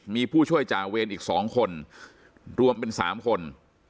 มีผู้ช่วยจ่าเวรอีก๒คนรวมเป็น๓คน